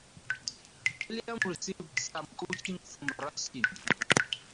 William received some coaching from Ruskin.